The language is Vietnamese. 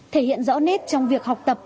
thể hiện rõ nét trong việc học tập